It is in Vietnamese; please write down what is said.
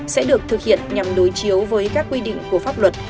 sẽ được thực hiện nhằm đối chiếu với các quy định của pháp luật